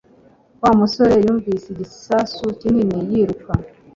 Wa musore yumvise igisasu kinini yiruka